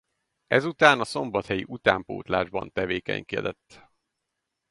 Ezután a szombathelyi utánpótlásban tevékenykedett.